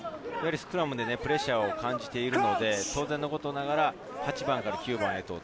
スクラムでプレッシャーを感じているので、当然のことながら８番から９番へ。